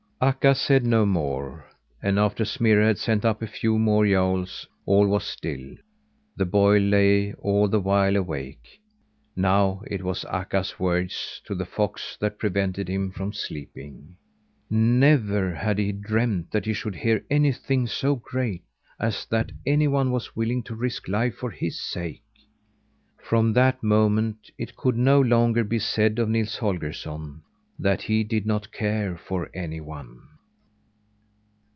Akka said no more, and after Smirre had sent up a few more yowls, all was still. The boy lay all the while awake. Now it was Akka's words to the fox that prevented him from sleeping. Never had he dreamed that he should hear anything so great as that anyone was willing to risk life for his sake. From that moment, it could no longer be said of Nils Holgersson that he did not care for anyone.